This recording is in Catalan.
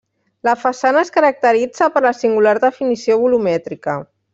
La façana es caracteritza per la singular definició volumètrica.